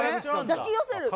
抱き寄せる